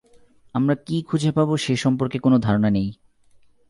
আমরা কী খুঁজে পাব সে সম্পর্কে কোন ধারণা নেই।